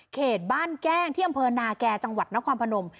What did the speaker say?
เขตบ้านแก้งที่อำเภอนาแก่จังหวัดนครพนม